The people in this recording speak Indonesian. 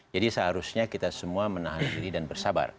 jadi seharusnya kita semua menahan diri dan bersabar